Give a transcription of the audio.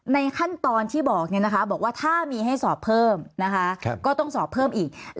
ในขั้นตอนที่บอกว่าถ้ามีให้สอบเพิ่มนะคะก็ต้องสอบเพิ่มอีก